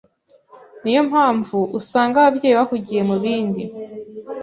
Niyo mpamvu usanga ababyeyi bahugiye mubindi